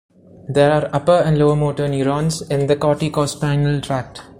There are upper and lower motor neurons in the corticospinal tract.